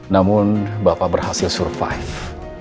namun bapak berhasil survive